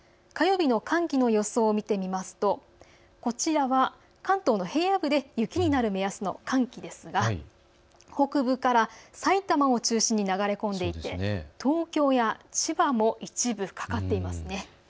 火曜日の寒気の予想を見てみますとこちらは関東の平野部で雪になる目安の寒気ですが埼玉を中心に流れ込んでいて東京や千葉も一部かかっています。